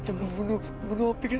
kita mau bunuh bunuh opi glenn